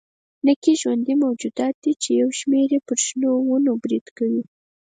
نکي ژوندي موجودات دي چې یو شمېر یې پر شنو ونو برید کوي.